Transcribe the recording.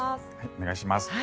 お願いします。